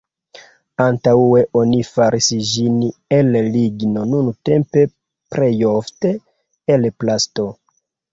Antaŭe oni faris ĝin el ligno nuntempe plejofte el plasto.